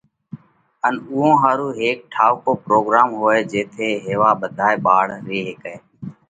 ان اُوئون ۿارُو هيڪ ٺائُوڪو پروڳروم هوئہ جيٿئہ هيوا ٻڌائي ٻاۯ ري هيڪئہ۔